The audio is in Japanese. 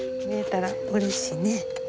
見えたらうれしいね。